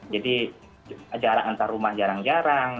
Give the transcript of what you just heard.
jadi jarak antar rumah jarang jarang